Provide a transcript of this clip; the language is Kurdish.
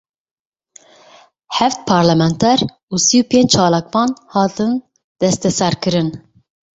Heft parlamenter û sih û penc çalakvan hatin desteserkirin.